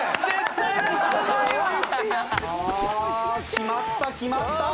決まった決まった！